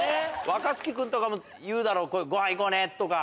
若槻君とかも言うだろ「ごはん行こうね」とか。